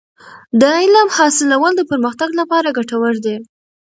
د علم حاصلول د پرمختګ لپاره ګټور دی.